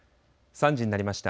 ３時になりました。